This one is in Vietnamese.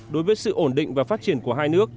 đối với sự ổn định và phát triển của hai nước